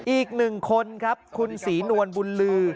อีกหนึ่งคนครับคุณศรีนวลบุญลือ